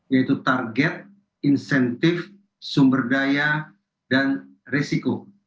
yaitu target insentif sumber daya dan resiko